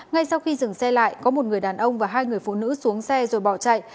ngay sau khi dừng xe lại có một người đàn ông và hai người phụ nữ xuống xe rồi bỏ chạy